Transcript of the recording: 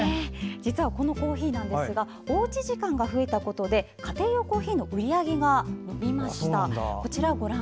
実は、このコーヒーですがおうち時間が増えたことで家庭用コーヒーの売り上げが伸びました。